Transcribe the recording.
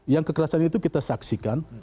yang kekerasan itu kita saksikan